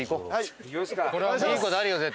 はい。